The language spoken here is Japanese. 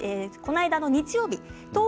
この間の日曜日